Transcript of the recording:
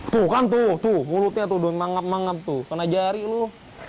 tuh kan tuh mulutnya tuh manggap manggap tuh kena jari lu